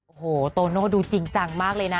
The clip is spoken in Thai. โอ้โหโตโน่ดูจริงจังมากเลยนะ